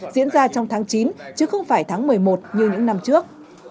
diễn ra trong tháng chín chứ không phải tháng một mươi một như những năm trước